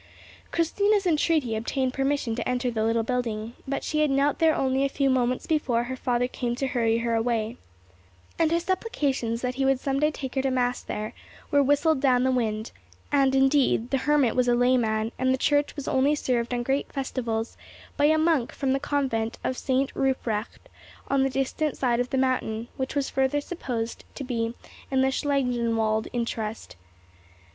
Christina's entreaty obtained permission to enter the little building, but she had knelt there only a few moments before her father came to hurry her away, and her supplications that he would some day take her to mass there were whistled down the wind; and indeed the hermit was a layman, and the church was only served on great festivals by a monk from the convent of St. Ruprecht, on the distant side of the mountain, which was further supposed to be in the Schlangenwald interest.